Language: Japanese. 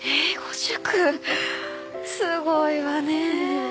すごいわね！